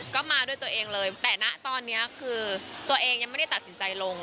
ก็มาด้วยตัวเองเลยแต่นะตอนนี้คือตัวเองยังไม่ได้ตัดสินใจลง